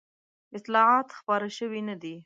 اطلاعات خپاره شوي نه دي.